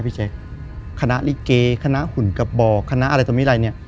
พี่แจ๊คคณะลิเกคณะหุ่นกระบอกคณะอะไรต่อมิรัยเนี่ย